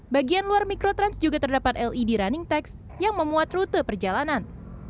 bagian luar mikrotrans juga terdapat led running text yang memuat rute perjalanan